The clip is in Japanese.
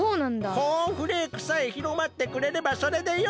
コーンフレークさえひろまってくれればそれでよい。